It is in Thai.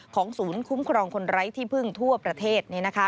ศูนย์คุ้มครองคนไร้ที่พึ่งทั่วประเทศ